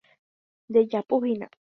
Ndejapuhína.